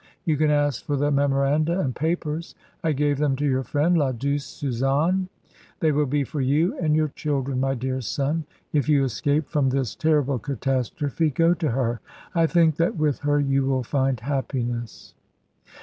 You can ask for the memoranda and papers. I gave them to your friend, la douce Susanne. They will be for you and your children, my dear son. If you escape from this terrible catastrophe, go to her. I think that with her you will find happiness."